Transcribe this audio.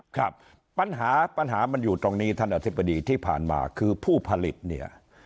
ครับปัญหาปัญหามันอยู่ตรงนี้ท่านอธิบดีที่ผ่านมาคือผู้ผลิตเนี่ย